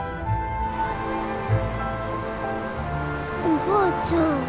おばあちゃん。